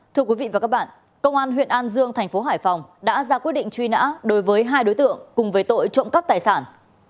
thưa quý vị và các bạn công an huyện an dương thành phố hải phòng đã ra quyết định truy nã đối với hai đối tượng cùng với tội trộm cắp tài sản